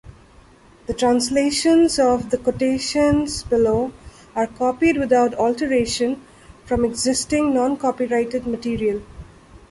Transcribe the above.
The translations of the quotations below are copied without alteration from existing non-copyrighted material.